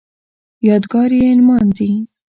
یادګار یې نمانځي